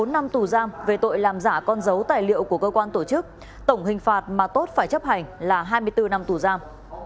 bốn năm tù giam về tội làm giả con dấu tài liệu của cơ quan tổ chức tổng hình phạt mà tốt phải chấp hành là hai mươi bốn năm tù giam